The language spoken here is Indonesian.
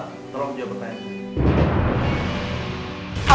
tolong jawab pertanyaan